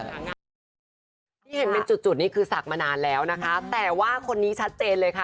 ที่เห็นเป็นจุดนี้คือศักดิ์มานานแล้วนะคะแต่ว่าคนนี้ชัดเจนเลยค่ะ